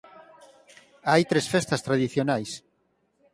Hai tres festas tradicionais.